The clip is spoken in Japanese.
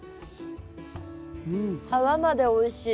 皮までおいしい。